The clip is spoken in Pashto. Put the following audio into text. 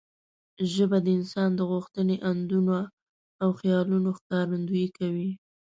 ژبه د انسان د غوښتنې، اندونه او خیالونو ښکارندويي کوي.